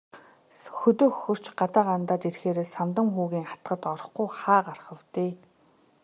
Хөдөө хөхөрч, гадаа гандаад ирэхээрээ Самдан хүүгийн атгад орохгүй хаа гарах вэ дээ.